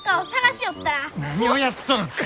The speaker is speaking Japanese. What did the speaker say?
何をやっとるか！